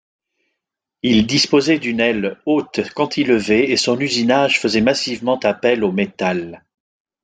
Il disposait d'une aile haute cantilever et son usinage faisait massivement appel au métal.